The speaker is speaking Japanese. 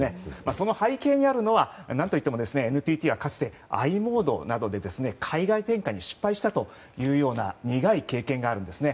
その背景にあるのは何といってもＮＴＴはかつてｉモードなどで海外展開に失敗したというような苦い経験があるんですね。